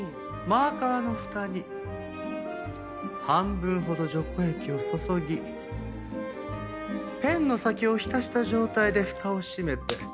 マーカーのふたに半分ほど除光液を注ぎペンの先を浸した状態でふたを閉めて１０分ほど待ちます。